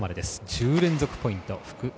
１０連続ポイント。